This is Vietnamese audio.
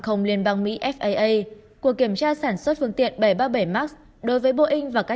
không liên bang mỹ faa của kiểm tra sản xuất phương tiện bảy trăm ba mươi bảy max đối với boeing và các